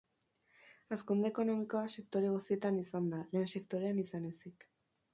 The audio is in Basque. Hazkunde ekonomikoa sektore guztietan izan da, lehen sektorean izan ezik.